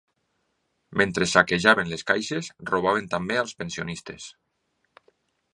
Mentre saquejaven les caixes, robaven també els pensionistes.